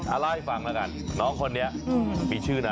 เล่าให้ฟังแล้วกันน้องคนนี้มีชื่อนะ